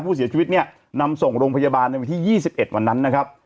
ผู้เสียชีวิตเนี่ยนำส่งโรงพยาบาลในวันที่๒๑วันนั้นนะครับ